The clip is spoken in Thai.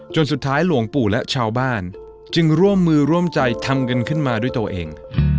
สุดท้ายหลวงปู่และชาวบ้านจึงร่วมมือร่วมใจทำกันขึ้นมาด้วยตัวเอง